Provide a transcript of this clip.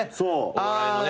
お笑いのね。